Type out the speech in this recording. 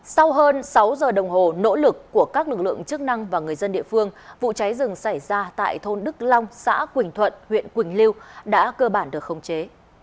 sau hơn sáu giờ đồng hồ nỗ lực của các lực lượng chức năng và người dân địa phương vụ cháy rừng xảy ra tại thôn đức long xã quỳnh thuận huyện quỳnh lưu đã cơ bản được khống chế